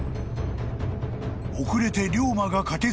［遅れて龍馬が駆け付けたころ